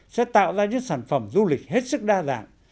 sẽ tạo ra những sản phẩm du lịch hết sức đa dạng